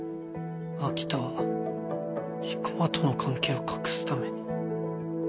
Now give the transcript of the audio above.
秋田は生駒との関係を隠すために。